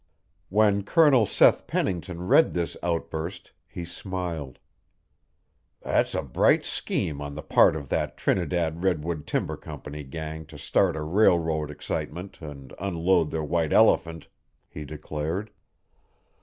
When Colonel Seth Pennington read this outburst he smiled. "That's a bright scheme on the part of that Trinidad Redwood Timber Company gang to start a railroad excitement and unload their white elephant," he declared.